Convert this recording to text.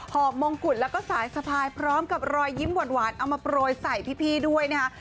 อบมงกุฎแล้วก็สายสะพายพร้อมกับรอยยิ้มหวานเอามาโปรยใส่พี่ด้วยนะคะ